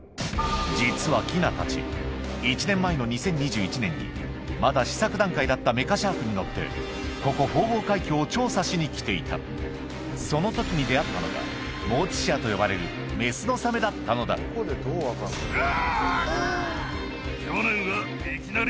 実はキナたち１年前のまだ試作段階だったメカシャークに乗ってここフォーボー海峡を調査しに来ていたその時に出合ったのがモーティシアと呼ばれるメスのサメだったのだうわ！